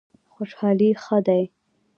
خوشحالي ښه دی.